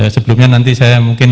sebelumnya nanti saya mungkin